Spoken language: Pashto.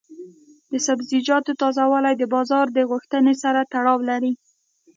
د سبزیجاتو تازه والي د بازار د غوښتنې سره تړاو لري.